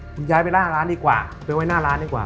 คุณย้ายไปล่าร้านดีกว่าไปไว้หน้าร้านดีกว่า